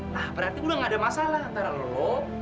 nah berarti gue gak ada masalah antara lo